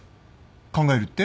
考えるって？